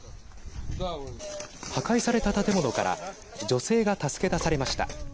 破壊された建物から女性が助け出されました。